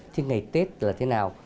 thế ngày tết là thế nào